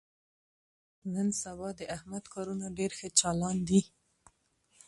نن سبا د احمد کارونه ډېر ښه چالان دي.